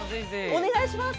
お願いします。